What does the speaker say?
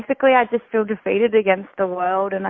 itu tidak ada pilihan